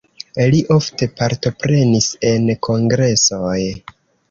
Li ofte partoprenis en kongresoj.